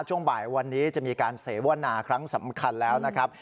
ช่วงบ่ายวันนี้จะมีการเสวนาครั้งสำคัญแล้วนะครับ